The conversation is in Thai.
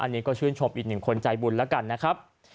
อันนี้ก็ชื่นชมอีกหนึ่งคนใจบุญแล้วกันนะครับ